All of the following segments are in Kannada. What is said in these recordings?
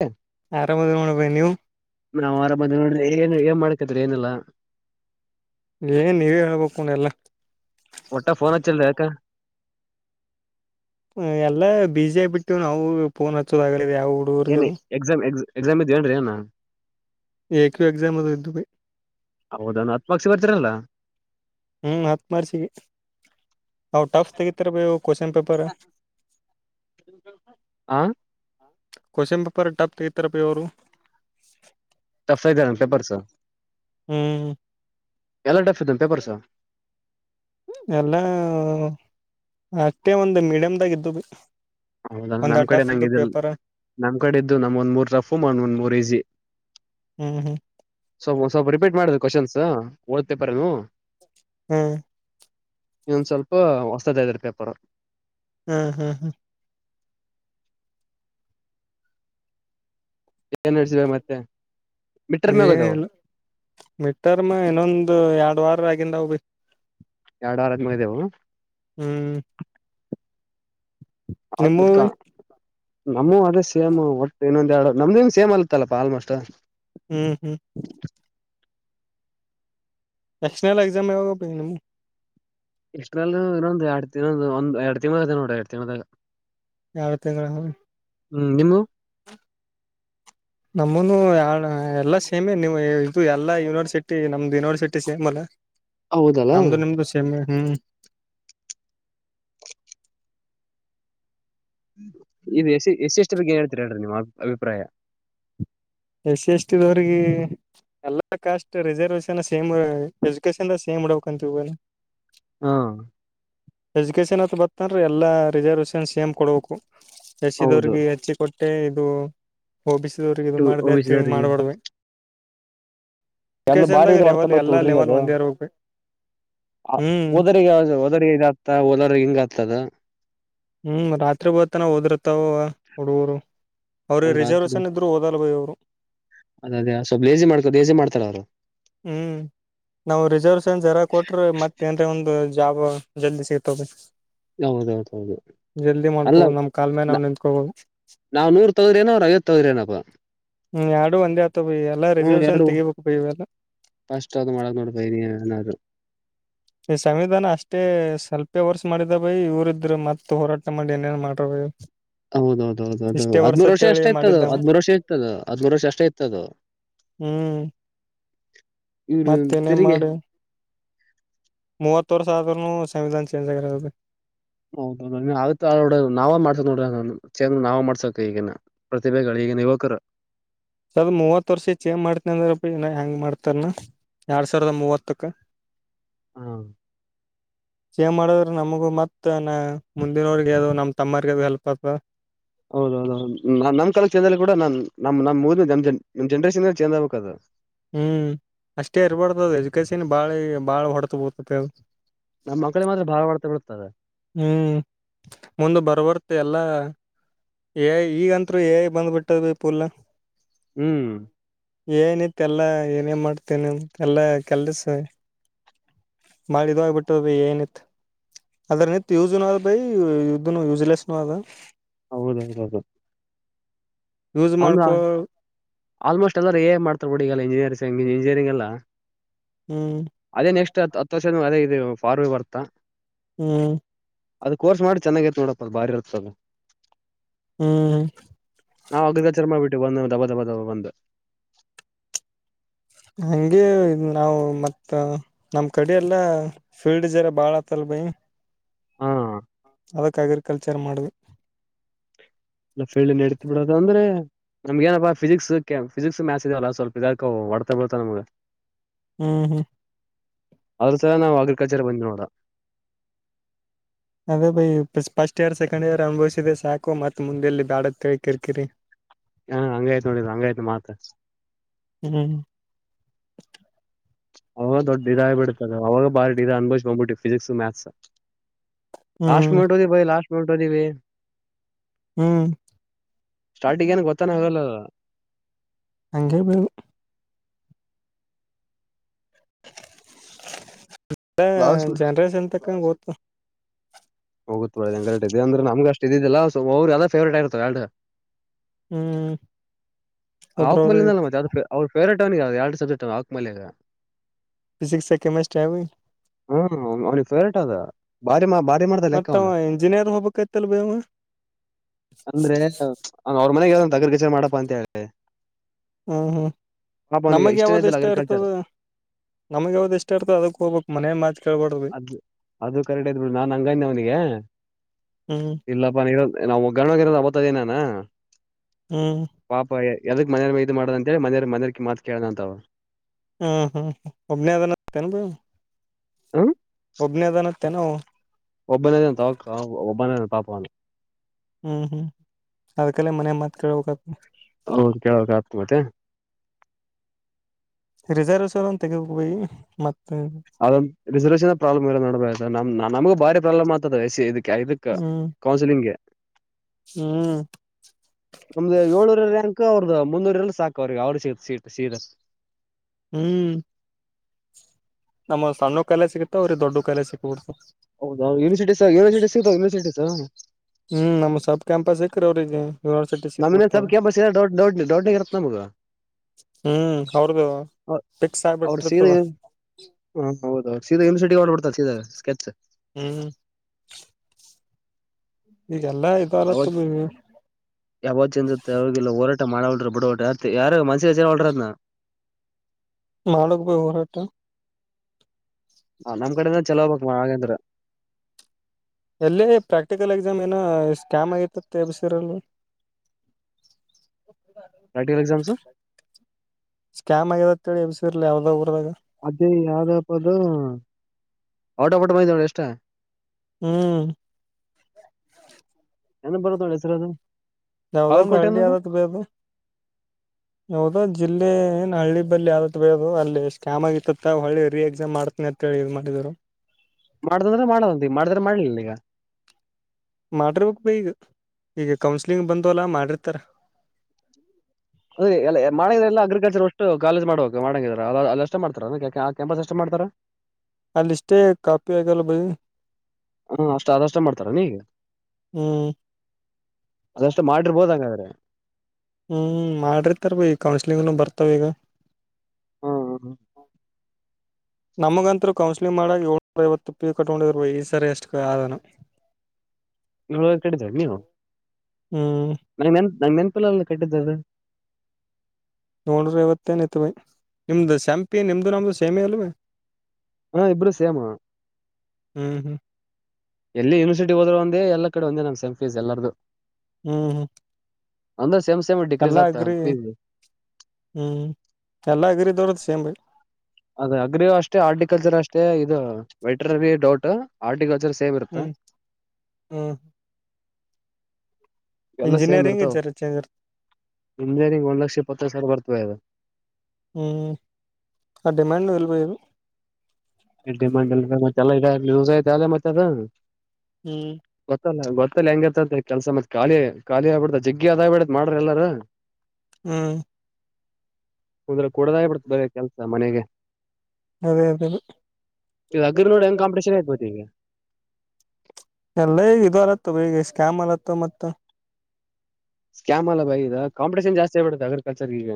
[unintelligible] ಆರಾಮದ ನೋಡ್ಬ ನೀವು ಬಂದ ನೋಡ್ರಿ. ಏನ್ ಏನ್ ಮಾಡ್ಕಿದ್ರೆ ಏನೆಲ್ಲಾ. ಏನ್ ನೀವೇ ಹೇಳ್ಬೇಕು ಎಲ್ಲ. ಚ್ಚಲ್ ಯಾಕ. ಹ್ಮ್ ಎಲ್ಲ ಬಿಸಿ ಆಗ್ಬಿಟ್ಟು ನಾವು ಪೋನ್ ಹಚ್ಚೋದಾಗ. ಏನ ಎಕ್ಸಾಮ್ ಎಕ್ಸ್ ಎಕ್ಸಾಮ ಇದಿಯೇನ್ರಿ ಏನ್. ಏಕ್ಯೂ ಎಕ್ಸಾಮ್ ಅದು ಇದ್ದು ಹೌದ ಹತ್ಪಕ್ಷ ಬರ್ತಾರಲ್ಲ. ಹ್ಮ್ ಹತ್ ಮಾರ್ಕ್ಸಿಗೆ. ಔಟ್ ಆಫ್ ತೆಗಿತರ್ ಬೆ ಕ್ವಶನ್ ಪೇಪರ್. ಆ. ಕ್ವೆಶ್ಚನ್ ಪೇಪರ್ ಟಫ್ [unintelligible] ಅವರು. [unintelligible] ಇದ್ದಾರೆ ಪೇಪರ್ಸ್. ಹ್ಮ್. ಎಲ್ಲಾ [unintelligible] ಪೇಪರ್ಸ್. ಎಲ್ಲ ಅಷ್ಟೇ ಒಂದು ಮೀಡಿಯಮ್ದಾಗಿದ್ದು ಬಿ. ಹೌದಾ ಒಂದ್ ನಮ್ ಕಡೆ ಟಫ್ ನಂಗ ಇದ್ದು ಇದ ಪೇಪರ್ ನಮ್ ಕಡೆ ಇದ್ದು ನಮ್ ಒಂದ್ ಮೂರ್ ಟಫು ಒಂದ್ ಮೂರ್ ಈಸಿ. ಹ್ಮ. ಸೊ ಸ್ವಲ್ಪ ರಿಪೀಟ್ ಮಾಡಿದ್ರ ಕ್ವಶನ್ಸ್ ಓದ ಪೇಪರ್ ನೂ. ಹ್ಮ್. ಇನೊಂದು ಸ್ವಲ್ಪ ಹೊಸದು [unintelligible] ಪೇಪರ್. ಹ್ಮ್ ಹ್ಮ್. [unintelligible] ಮತ್ತೆ. [unintelligible] ಮಿಡ್ ಟರ್ಮ್ ಇನ್ನೊಂದು ಎರಡ್ ವಾರ ಆಗಿಂದವು. ಎರಡು ವಾರದ ಮೇಲಿದಾವ. ಹ್ಮ್. ನಿಮ್ಮೂ [unintelligible] ನಂವು ಅದೇ ಸೇಮ್ ಒಟ್ಟು ಇನ್ನೊಂದ್ ಎರಡು ನಮ್ದ ಸೇಮ್ ಆಯ್ತಲ್ಲಪ ಆಲ್ಮೋಸ್ಟ್. ಹ್ಮ್ ಹ್ಮ್ ಎಕ್ಸ್ಟರ್ನಲ್ ಎಕ್ಸಾಮ್ ಯಾವಾಗ. ಎಕ್ಸ್ಟರ್ನಲ್ ಇನ್ನೊಂದು ಎರಡು [unintelligible] ಒಂದ್ ಎರಡ್ ತಿಂಗಂಳ ಎರಡ್ ತಿಂಗಂಳದಾಗ. ಎರಡ್ ತಿಂಗಳ. ಹ್ಮ್ ನಿಮ್ವು. ನಂವುನು ಎಲ್ಲ ಸೇಮೇ ನೀವು ಇದು ಎಲ್ಲ ಯೂನಿವರ್ಸಿಟಿ ನಮ್ದು ಯೂನಿವರ್ಸಿಟಿ ಸೇಮ್ ಅಲ್ಲ. ಹೌದಲ್ಲ ನಮದು ನಿಮದು ಸೇಮೇ ಹ್ಮ್. ಈದು ಎಸ ಎಸ್ಿ ಎಷ್ಟು ಬಗ್ಗೆ ಏನ್ ಹೇಳ್ತೀರಿ ಹೇಳ್ರಿ ನಿಮ್ಮ್ ಅ ಅಭಿಪ್ರಾಯ ಎಸ್ಟಿ ಎಷ್ಟಿದವ್ರಿಗೆ ಎಲ್ಲ caste reservation same education same ಇಡಕ್ಂತ ಇ ಹಾ ಎಜುಕೇೇಶನ್ ಅತ್ರ ಬರ್ತನ್್ರೆ ಎಲ್ಲಾ ರಿಸರ್ವೇಷನ್ಸ್ ಸೇಮ್ ಕೊಡ್ಬೇಕು ಎಸ್ಸಿ ಹೌದು ದವ್ರಿಗೆ ಹೆಚ್ಚಿ ಕೊಟ್ಟೆ ಇದು ಹಓಬಿಸಿದವ್ರಿಗೆ ಇದು ಮಾಡ ಒ ಬಿ ಸಿ ತಿಹಿಂಗ ದವರಿಗೆ ಮಾಡ್ಬಡ್ಮವಿ ಎಲ್ಲ ಬಾರಿ ಇದು ಹೊಡ್ತಾ ಲೆವೆಲ್ ಬಿಡ್ತ ಎಲ್ಲಾ ಹುಡ್ರಿಗೆ ಲೆವೆಲ್ ಅದು ಒಂದೇ ಇರ್ಬೇಕು ಆ ಹ್ಮ್ ಹೋದಗ ಓದರಿಗೆ ಇದಾಗ್ತ ಹೋದೋ್ರ ಹಿಂಗ ಆಗ್ತದ ಹೂ ರಾತ್ರಿ ಹೂತನ ಓದಿರ್ತಾವ ಹುಡುಗೂರು ಅವ್ರಗೆ ಅವ್ರ ಆತ್ ಬಿಡ್. ರಿಸರ್ವೇೇಶನ್ ಇದ್ರು ಓದಲ್ಲ ಬೈ ಅವ್ರು ಅದ ಅದೇ ಸ್ವಲ್ ಲೇಸಿ ಮಾಡ್ಕೊ ಲೇಸಿ ಮಾಡ್ತಾರ ಅವ್ರು ಹೂ ನಾವು ರಿಸರ್ವೇಶನ್ ಜರ ಕೊಟ್ರೆ ಮತ್ತೇಏನ್ ಒಂದ ಅ ಜಾಬ ಜಲ್ದಿ ಸಿಗ್ತದೆ ಹೌದೌದೌದು ಜಲ್ದಿ ಮಾಡ್ಕೋ ನಮ್ ಕಾಲ್ ಮೇಲ್ ನಾವ್ ನಿಂತ್ಕೊಬೋದ ನಾವ ನೂರ್ ತಗದ್ರೇನೋ ಅವ್ರ ಐವತ್ತ ತಗದ್ರೇನಪ್ಪಾ ಹೂ ಎರಡು ಒಂದೇ ಆತ ಬೈ ಎಲ್ಲಾ ರಿಸರ್ವೇಶನ್ ಎರಡು ತೆಗಿಬೇಕು ಬೈ ಇವೆಲ್ಲ ಫಸ್ಟ್ ಆದು ಮಾಡಬೇಕು ಬೈ [inaudible] ಈ ಸಂವಿಧಾನ ಅಷ್ಟೇ ಸ್ವಲ್ಪೆ ವರ್ಷ ಮಾಡಿದ ಬೈ ಇವರ ಇದ್ರು ಮತ್ತ ಹೋರಾಟ ಮಾಡಿ ಏನೇನ್ ಮಾಡ್ತಾರೆ ಹೌದೌದ ಹೌದುೌದು ಹದ್್ಮೂ ವರ್ಷ ಅಷ್ಟೇ ಇರ್ತದು ಮಾಡಿದ್ದವ ಹದ್್ಮೂರು ವರ್ಷ ಇತ್ತದು ಹದ್್ಮೂರು ವರ್ಷ ಅಷ್ಟೇ ಇರ್ತದು ಹೂ ಇವರು ತಿೆರುರಿಗೆ ಮೂವತ್ತರೆ ವರ್ಷ ಆದರೂ ಸಂವಿಧಾನ ಚೇಂಜ್ ಆಗರದು ಹೌ ನೋ ನಾವೇ ಮಾಡ್ಸಕ್ ನೋಡ್ರ ಚೇಂದ್ರ ನಾವ ಮಾಡ್ಸಕ್ ಈಗಿನ ಪ್ರತಿಭೆಗಳಿಗೆ ಈಗಿನ ಯುವಕರು ಅದು ಮೂವತ್ ವರ್ಷ ಚೇಂಜ್ ಮಾಡ್ತನ ಅಂದ್ರ ಇನ್ನ್ ಹೆಂಗ್ ಮಾಡ್ತಾರನ ಎರಡ್ ಸಾವಿರದ ಮೂವತ್ತಕ್ಕೆ ಹ ಚೇಂಜ್ ಮಾಡದ್ರೆ ನಮಗೂ ಮತ್ತ ನ ಮುಂದಿನವ್ರಗ ಅವ ನಮ್ಮ್ ತಮ್ಮರ್ಗ ಅ ಹೆಲ್ಪ್ ಆತ ಹೌದೌದೌದು ನ ನಮ್ ಕಾಲ ಚಂದದಲ್ಲಿ ಕೂಡ ನಾನ್ ನಮ್ ನಮ್ದ ನಮ ಜನ್ ನಮ್ ಜನರೇಶ್ನ್ ಚೇಜ್ ಆಗ್ಬೇಕ ಅದು ಹೂ ಅಷ್ಟೇ ಇರ್ಬಾರ್ದದು ಎಜುಕೇಶನ್ ಬಾಳ ಬಾಳ್ ಹೊಡೆತ ಬೋತತೆ ಅದು ನಮ್ಮ್ ಮಕ್ಕಳಿಗೆ ಮಾತ್ರ ಬಾಳ ಹೊಡತ ಬೀಳುತ್ತದ ಹೂ ಮುಂದು ಬರ್ವರ್ತ್ತೆ ಎಲ್ಲ ಏ ಈಗಂತೂ ಏಐ ಬಂದ್ಬಿಟ್ಟದ್ ಬಂದ ಫುಲ್ ಹೂ ಏನಿತ್ತ ಎಲ್ಲಾ ಏನೇನ್ ಮಾಡ್ತೇನ ಎಲ್ಲಾ ಕೆಲ್ಸ [inaudible] ಮಾಡಿದ ಆೋಗಬಿಟ್ಟು ಏನಿತ್ತು ಅದ್ರ ನಿತ್ ಯುಜ್ ನ ಅದ ಭೈ ಯುದ್ಧ ಯೂಜಲೆಸ್ ನ ಆದ ಹೌದೌದದದು ಯೂಸ್ ಮಾಡ್ಕೊ ಆಲ್ಮೋಸ್ಟ್ ಎಲ್ಲಾರೂ ಎ ಮಾಡ್ತರ್ಬ ಬಿಡಿ ಈಲ್ಲ ಇಂಜಿನಿಯರ್ಂಗ ಇಂಜಿನಿಯರಿಂಗ್ ಎಲ್ಲ ಹೂ ಅದೇ ನೆಕ್ಸ್ಟ್ ಹತ್ತು ವರ್ಷ ಅದೇ ಇ ಫಾರ್ವೆ ಬರ್ತಾ ಹೂ ಅದ ಕೋರ್ಸ್ ಮಾಡಿ ಚೆನ್ನಾಗ ಐತ್ ನೋಡಪ್ಪ ಅದು ಬಾರಿ ಇರ್ತದ ಹ್ಮ್ ನಾವು ಅಗ್ರಿಕಾಚರ್ ಮಾಡ್ಬಿಟ್ಟು ಒಂದು ದಬ ದಬ ದಬ ಬಂದು ಹಂಗೆ ನಾವು ಮತ್ತ ನಮ್ ಕಡೆ ಎಲ್ಲಾ ಫೀಲ್ಡ್ ಜರ ಬಾಳ ಆತ್ತಲ್ ಭೈ ಹಾ ಅದಕ್ಕೆ ಅಗ್ರಿಕಲ್ಚರ್ ಮಾಡ್ದೆ ಎಲ್ಲ ಫೀಲ್ಡ್ ನಡ್ತಿ ಬಿಡೋದು ಅಂದ್ರೆ ನಮ್ಗ ಏನಪ್ಪಾ ಫಿಸಿಕ್ಸ್ ಕೆ ಫಿಸಿಕ್ಸ್ ಮ್ಯಾತ್ಸ್ ಇದೆವಲ್ಲ ಸ್ವಲ್ಪ ಇದ ಹೊಡ್ತ ಬೀಳತಾವ ನಮಗ ಹ್ಮ್ ಹ್ಮ್ ಅದ್ರ ಸಹ ನಾವು ಅಗ್ರಿಕಲ್ಚರ್ ಬಂದು ನೋಡ ಅದೇ ಬೈ ಫಸ್ಟ್ ಇಯರ್ ಸೆಕೆಂಡ್ ಇಯರ್ ಅನುಭವಸಿದೆ ಸಾಕು ಮತ್ ಮುಂದೆಲ್ಲಿ ಬ್ಯಾಡ ಕಳ್ ಕರಿ ಕರಿ ಹ ಹಂಗಾಯ್ತ್ ನೋಡಿದ ಹಂಗಾಯ್ತ್ ಮಾತ್ ಹ್ಮ್ ಅವಾಗ ದೊಡ್ಡ ಇದ ಆಗಿ ಬಿಡ್ತದೆ ಅವಾಗ ಬಾರಿ ಡಾ ಅನ್ಭ್ಕೊ್ಬಿಟ್ಟವಿ ಫಿಸಿಕ್ಸ್ ಮ್ಯಾಥಸ್ ಲಾಸ್ಟ್ ಹ್ಮ್ ಮಿನಿಟ್ದ ಬೈ ಲಾಸ್ಟ್ ಮಿಟ್ದವಿ ಹ್ಮ್ ಸ್ಟಾರ್ಟಿಂಗ್ ಏನ ಗೊತ್ತಾನ ಆಗಲ್ಲ. ಅಂಗೆ ಬೆ [unintelligible] ಲಾಸ್ಟ್ ಜನ್ರೇಷನ್ ತಕ್ಕಂಗ ಗೊತ್ತು ಹೋಗುತ್ ಹೆಂಗ ಇದೆ ಅ್ರ ನಮ್ಗೆ ಅಷ್ಟು ಇದಿದಿಲ್ಲ ಅವ್ ಯಾವ್ದದ ಫೇವರೆಟ್ ಆಗಿರುತೋ ಎಲ್ ಹ್ಮ್ ಒಬ್ರೊಬ್ರ ಅವಕ್ಮಲೆಗ್ ದ ಬಂದಿದನಲ್ ಮತ್ತೆ ಅ ಅವ್ರ ಫೇವರೆಟ್ ಅವಕ್ಮಲೆಗ್ ಅವಿ ಎರಡು ಸಬ್ಜೆಟ್ ಅವಕ್ಮಲೆಗ್ ಫಿಸಿಕ್ಸ್ ಕೆಮಿಸ್ಟ್ರಿ ಅವ ಅವನಿಗೆ ಫೇವರೇಟ್ ಅದು ಭಾರಿ ಮಾ ಬಾ ಮತ್ತವ ಇಂಜಿನಿಯರ್ ಹೋಗ್ಬೇಕಕ್ತಲ್ ಬೇವ ಅಂದ್ರೆ ಅವ್ರ ಮನೆಗ ಯಾವ ತಗರ್ ಕಚರಿ ಮಾಡಪ್ಪಾ ಅಂತ ಹೇಳಿ ಹ್ಮ್ ಹ್ಮ್ ಪಾಪ ಅವನಿಗೆ ನಮಗ್ ಇಷ್ಟನೇ ಯಾವದ ಇದ್ದಿಲ್ಲ ಇಷ್ಟ ಅಗ್ರಿಕಲ್ಚರ್ ಇರ್ತದ ನಮ್ಗ ಯಾವ್ದು ಇಷ್ಟ ಇರ್ತ ಅದಕ್ ಹೋಗ್ಬೇಕ್ ಮನೇನ್ ಮಾತ್ ಕೇಳ್ಬಾಡರೀ ಅದ್ ಅದು ಕರೆಕ್ಟ್ ಐತ್ ಬಿಡ್ ನಾನ್ ಹಂಗದ ಅವ್ನಿಗೆ ಹ್ಮ್ ಇಲ್ಲಪ್ಪ ನೀ ನಾವು ಒಗ್ಗರಣಗರೋದ ಆಬತದ ನಾನ ಹ್ಮ್ ಪಾಪ ಎದಕ ಮನೆಯವರ ಇದು ಮಾಡದ ಅಂತ ಹೇಳಿ ಮನೆಯವರ ಮನೆಯವರ ಮಾತ ಕೇಳ್ದ ಅಂತಳ ಹ್ಮ್ ಹ್ಮ್ ಒಬ್ನೇ ಅದನತ್ತೇನ ಬೈ ಒಬ್ನೇ ಅದಾನಂತೆ ಏನ್ ಅವ ಒಬ್ಬ ನೇರ ತೋಕ ಒಬ್ಬ ನೇರ ಪಾಪಾನು ಹ್ಮ್ ಹ್ಮ್ ಅದಕ್ಕಲ್ಲೇ ಮನೆ ಮಾತ್ಕಳ್ಬೇಕದೆ ಹೌದು [unintelligible] ರಿಸರ್ವೇಶನ್ ಒನ್ ತೆಗಿಬೇಕು ಬೈ ಮತ್ತೆ ಅದ ರಿಸರ್ವೇಷನ್ ಪ್ರಾಬ್ಲಮ್ಲ್ಲ ನೋಡ್ಬ ನಮ್ ನಮಗ ಬಾರಿ ಪ್ರಾಬ್ಲಮ್ ಆತದೆ ಇದ ಎಸಿ ಕ್ಯಾ ಐದಕ್ಕ ಹ್ಮ್ ಕೌನ್ಸಿಲಿಂಗ್ಗೆ ಹ್ಮ್ ನಮ್ದು ಏಳನೂರ್ ರಾಂಕ್ ಅವ್ರದ್ದ ಮುಂದೂರ ಎಲ್ಲ ಸಾಕ ಅವ್ರಿಗೆ ಅವರು ಸೀ ಸೀಟ ಶೀರ ಹ್ಮ್ ನಮವ ಸಣ್ಣ ಕಾಲೇಜು ಸಿಗತ್ತವ ಅವ್ರ ದೊಡ್ಡ ಕಾಲೇಜು ಸಿಕ್ಬಿಡು ಹೌದ university sir university sir university ಹ್ಮ್ ನಮ್ ಸಬ್ ಕ್ಯಾಂಪಸ ಸಿಕ್ರ ಅವ್ರಿಗೆ ಯೂನಿವರ್ಸಿಟಿ ನಮಿನ ಸಿಕ್ಬಿಡ್ತಾವ ಸಬ್ಕ ಬಸ್ಲ್ಲಡ್ ದೊಡ್ ದೊಡ್ಡ ಇರತ್ತ ನಮಗ ಹ್ಮ್ ಅವ್ರದು ಫಿಕ್ಸ್ ಅವರು ಸೀರೆ ಆಗ್ಬಿಟ್ಟಿರ್ತದ ಹ ಹೌದೌಹೌದು ಸೀದ ಯುನಿವರ್ಸಿಟಿ ಹೊಂಟ ಬಿಡ್ತಾನ್ ಸ್ಕೆಚ್ ಹ್ಮ್ ಈಗೆಲ್ಲಾ ಯಾವ ಇದಾರತ್ತದ ಯಾವಂದ ಚ ತವಲ್ಲ ಹೊರಟ ಮಾಡಲ್ಡ್ರ ಬಿಡುವಲರ್ ಯಾರು ಮನಸ್ಸಿಗೆ ಹಚ್ಕೋವಲರ ಮಾಡಬಕ್ ಬ ಹೋರಾಟ ನಮ್ಮ್ ಕಡಿಂದ ಚಲೋವಬೇಕ್ ಮ ಹಾಗೇಂದ್ರ ಎಲ್ಲೇ ಪ್ರಾಕ್ಟಿಕಲ್ ಎಕ್ಸಾಮ್ ಏನೋ ಸ್ಕ್ಯಾಮ್ ಆಗಿತತ್ತ ಎಬಸಿರಲ್ ಪ್ರಾಕ್ಟಿಕಲ್ ಎಕ್ಸಾಮ್ಸ್ ಸ್ಕ್ಯಾಮ್ ಅಗೆದತೆಳಿ ಎಬಿಸಿರಲ್ ಯಾವ್ದ ಅದೇ ಯಾವ್ದಪ್ಪ ಅದು ಔಟ ಒಫ್ ಬಿಟ್ಟ ಬಂದದಿವಿ ಎಷ್ಟ. ಹ್ಮ್. ಏನ ಬರುತ್ತ ನೋಡಿ ಹೆಸರು ಅದು ಯಾವದ ಒಂದು ಬಾಗಲಕೋಟೆ ಹಳ್ಳಡಿ ಅನ್ನೋದು ಆದತ್ ಬೈ ಅದು. ಯಾವ್ದೋ ಜಿಲ್ಲೆ. ಅಲ್ಲಿ ಏನ್ ಹಳ್ಳಿ ಬಿ ಯಾವತ್ ಬೋದು ಅಲ್ಲಿ ಸ್ಕ್ಯಾಮ್ ಆಗಿತ್ತ ಹಳ್ಳಿ ರಿ ಎಕ್ಸಾಮ್ ಮಾಡ್ತನಿ ಅಂತ ಹೇಳಿ ಇ ಮಾಡಿದ್ರು. ಮಾಡ್ದಂದ್ರೆ ಮಾಡದಂತ ಮಾಡಿದ್ರೆ ಮಾಡ್ಲಿಲ್ಲ ಈಗ. ಮಾಡಿರ್ಬೇಕಕ್ ಈಗ ಈಗ ಕೌನ್ಸ್ಲಿಂಗ್ ಬಂದ ಅಲ್ಲ ಮಾಡಿರ್ತಾರ. ಅದ ಮಾಡಿದ ಎಲ್ಲ ಅಗ್ರಿಕಲ್ಚರ್. ಕಾಲೇಜ್ ಮಾಡ್ಕ್ ಮಾಡಂಗಿದರ ಅ ಎಷ್ಟ ಮಾಡ್ತಾರಂಪಸ್ ಎಷ್ಟ ಮಾಡ್ತಾರ. ಅಲ್ಲಿಷ್ಟೇ ಕಾಪಿ ಆಗಲ್ಲ ಬಯಿ. ಹಾ ಅಷ್ಟ ಅದಷ್ಟ ಮಾಡ್ತಾರ ನೀಗ. ಹ್ಮ್ ಅದಷ್ಟು ಮಾಡಿರ್ಬೋದ ಹಂಗಾದ್ರೆ. ಹ್ಮ್ ಮಾಡ್ರಿತರ್ ಬೈ ಕೌನ್ಸಿಲಿಂಗ್ನು ಬರ್ತಾವ ಈಗ. ಹ್ಮ್ ಹ್ಮ ಹ್ಮ. ನಮಗಂತರುೂ ಕೌನ್ಸಲಿಂಗ್ ಮಾಡಾಗ ಏಳ್ನೂರ ೈವತ್ತು ಪಿ ಕಟ್ಕೊಂಡಿರುವ ಈ ಸರಿ ಎಷ್ಟು ಆದನು. [inaudible] [unintelligible] ಹ್ಮ್ ಇಪ್ಪಲ್ಲ ಒ ಕಟ್ಟಿದ್ದಧ. ನೋಡ್ರಿ ಇವತ್ತೇನ ಇತ್ ಭೈ ನಿಮ್ದು ಶ್ಯಾಂಪಿ ನಿಮ್ದು ನಮ್ದು ಸೇಮಿ ಅಲ್ವ. ಹೂ ಇಬರ ಸೇಮ. ಹ್ಮ್ ಹ್ಮ್ ಎಲ್ಲಿ ಯೂನಿವರ್ಟಿ ಹೋದ್ರು ಒಂದೇ ಎಲ್ಲ ಕಡೆ ಒಂದೇ ನಮ್ ಸೆಂಫಸ್ ಎಲ್ಲಾರ್ದು. ಹ್ಮ್ ಹ್ಮ್. ಅಂದ್ರ ಸೇಮ್ ಸೇಮ್ ಡಿಗ್ರೀಸ್ ಎಲ್ಲಾ ಆಗ್ತ. ಅಗ್ರಿ ಹ್ಮ್ ಎಲ್ಲ ಅಗ್ರಿದವರು ಸೇಮ್ ಬೈ. ಅದ ಅಗ್ರಿ ಅಷ್ಟೇ ಆರ್ಟಿಕಲ್ಚರ್ ಅಷ್ಟೇ ಇದು ವೈಟ್ರ ಡೌಟ್ ಆರ್ಟಿಕಲ್ಚರ್. ಸೇಮ್ ಇರುತ್ತ ಹ್ಮ್ ಹ್ಮ್. ಎಲ್ಲ ಸೇಮ್ ಇಂಜಿನಿಯರಿಂಗ್ ಇರ್ತಾವ ಜರ ಚೇಂಜ್ ಇರ್ತ ಇಂಜಿನಿಯರಿಂಗ್ ಒಂದ್ ಲಕ್ಷ ಇಪ್ಪತ್ತೈ ಸಾವಿರ ಬರ್ತವೆ ಅದು. ಹ್ಞ ಆ ಡಿಮಂಡ್ ಎಲ್ಲ ಬೈ ಅದು. ಡಿಮಾಂಡ್ ಎ ಮತ್ತೆ ಇದೂಸ್ ಐ ಅಲ್ಲ ಮತ್ತೆ ಅ ಹ್ಮ್ ಗೊತ್ತಲ್ಲ. ಮತ್ತ ಹೆಂಗರ್ತತಿ ಕೆಲಸತ್ಖಾಲಿ ಖಾಲಿ ಆಗ್ಬ ಬಿಡತದ ಜಗ್ಗ ಅದಬ ಬಿಡತ್ ಮಾಡ್ರ ಎಲ್ಲಾರು. ಹ್ಮ್. ಕುಂದ್ರೆ ಕೊಡದಾಗ ಬಿಡ್ತ ಬರ ಕೆಲ್ಸ ಮನೆಗೆ. ಅದೇ ಅದೇ ಅ. ಇ ಅಗ್ರಿ ನೋಡಿಂಗ ಕಾಂಪಿಟೇಷನ್ [unintelligible] ಈಗ. ಎಲ್ಲ ಈಗ ಇದು ಅಲತ್ತ ಬೇಗ ಸ್ಕ್ಯಾಮ್ ಅಗತ್ತ ಮತ್ತ. ಸ್ಕ್ಯಾಮ್ ಅಲ್ಲ ಬೈ ಕಾಂಪಿಟೇಷನ್ ಜಾಸ್ತಿ ಆಗ್ಬಿಟೈತೆ ಅಗ್ರಿಕಲ್ಚರ ಈಗ.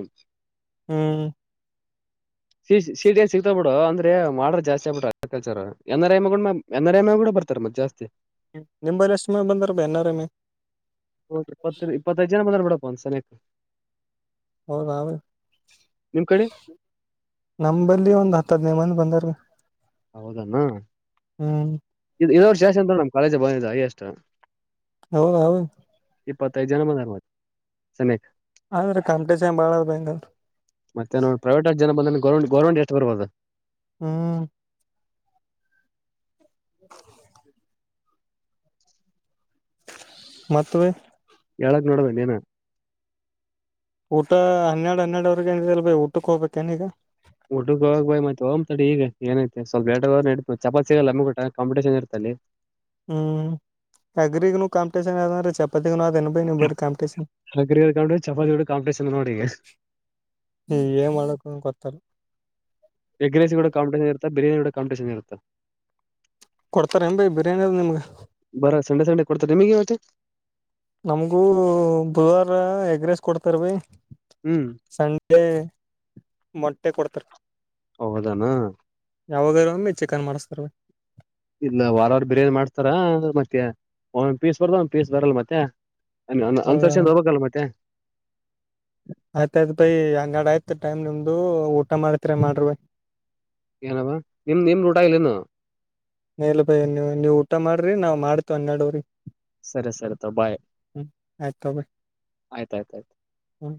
ಹ್ಮ್. ಶೀಟ ನ್ ಸಿಗ್ತಾ ಬಿಡು ಅಂದ್ರೆ ಮಾಡೋ ಜಸ್ ಆಗ್ಬಿು್ರಲ್ರ್ ಎರ ಎ ಎ ಎಮೂಡ ಬತ. ರ ಮ್ ಜಾಸ್ತಿ. ನಿಮ್ಲ್. ಎಷ್ಟ ಬಂದರ ಬನಾರಮ್ಮಿ ಹ ಇಪ್ಪತ್ತ ಇಪ್ಪತ್ತೈದು ಜನ ಬಂದಾರ ಬಿಡಪ್ಪ ಅಂದ ಸಲಕ್. ಹೌದಾವ ನಿಮ್ ಕಡೆ ನಲ್ಲಿ ಒಂದ್ ಹತ್ತ ಹದನೇ ಮಂದ ಬಂದ. [inaudible] ಹೌದಣ ಇ ವರ್ಷ ವಷ ಅಂತ ನಮ್ ಕಾಲೇಜ ಬಂದಿದ್ದ ಹಾಗೆ ಅಷ್ಟ. ಹೌದ ಹೌ. ಇಪ್ಪತ್ತೈದು ಜನ ಮಂದವ ಸಮಯಕ. ಆದ್ರೆ ಕಾಂಪಿಟೇಷನ್ ಬಾಳ ಅದ ಹೆಂಗಂದ್ರ ಮತ್ತೆ ನೋ ಪ್ರೈವೇಟ್ ಅಷ್ಟ್ ಜನ ಬಂದ. ಗೌರ್ಮಂ ಗರ್ಮಂಟ್ ಎಷ್ಟುರ್ಬೋದು. ಹ್ಮ್. ಹ [inaudible] ಮತ್ತೆ ಬೈ. ಹೇಳಕ್ ನೋಡ್ಬೇಕ ನೀನು ಊಟ ಹನ್ನೆರಡು ಹನ್ನೆರಡ್ವರೆಗ ಏನಿದೆ ಅಲ್ ಭ ಊಟಕ್ಕೆ ಹೋಗ್ಬೇಕೇನ್ ಈಗ [unintelligible] [unintelligible] ಹ್ಮ್ ಅಗ್ರಿಗ್ನು ಕಾಂಪಿಟೇಷನ್ ಯಾವದ್ರೆ ಚಪಾತಿಗ [unintelligible] [unintelligible] ಚಪಾತಿ ಕಾಂಪಿಟಷನ್ ನೋಡಿ ಹ್ಮ ಏನ್ ಮಾಡಕ ಗೊತ್ತಲ್ಲ ಎಗ್ ರೈಸ ಕೂಡ ಕಾಂಪಿಟೇಷನ್ ಇರುತ್ತ ಬಿರಿಯಾನಿ ಕೂಡ ಕಾಪಿಟೇಷನ್ ಇರುತ್ತೆ ಕೊಡ್ತಾರೆ ಬೈ ಬಿರಿಯಾನಿ ಅದು ನಿಮ್ಗೆ ಬರ ಸಂಡೆ ಸಂಡೆ ಕೊಡ್ತಾರೆ ನಿಮಗೆ ಮತ್ತೆ ನಮಗೂ ಬರ ಎಡ್ರೆಸ್ ಕೊಡ್ತಾರ ಬೈ ಹ್ಮ್ ಸಂಡೇ ಮೊಟ್ಟೆ ಕೊಡ್ತಾರ ಹೌದಾನ ಯಾವಾಗ [unintelligible] ಚಿಕನ್ ಮಾಡಿಸ್ತಾರೆ ಇಲ್ಲ ವಾರವಾರ ಬಿರಿಯಾನಿ ಮಾಡ್ತಾರ ಮತ್ತೆ ಒಂದ್ ಪೀಸ್ ಬರ್ದ ಒಂದ್ ಪೀಸ್ ಬರಲ್ಲ ಮತ್ತೆ [unintelligible] ಹ ಅರ್ಷಿಂದ ಹೋಗಬೇಕಲ್ಲ ಮತ್ತೆ ಆಯ್ತಾಯಯ್ತು ಬೈ ಅಂಗಾಡ ಆಯ್ತು ಟೈಮ್ ನಿಮ್ದು ಊಟ ಮಾಡ್ತಿರಿ ಮಾಡ್ರ ಬೈ [unintelligible] ಏನವಾ ನಿಮ್ ನಿಮ್ ಊಟ ಇನ್ನು ಎಲ್ಲಾ ಬೈ ನೀ ನೀವವು ಊಟ ಮಾಡ್ರಿ ನಾವ್ ಮಾಡ್ತೇ ಹನ್ನೆರಡವ್ರಿ ಸರಿ ಸರಿ ಬಾಯ್ ಆಯ್ತ ಬೈ ಆಯ್ತ ಆಯ್ತ ಆಯ್ತು ಹ್ಮ್